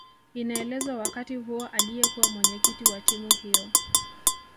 Inaelezwa wakati huo aliyekuwa Mwenyekiti wa timu hiyo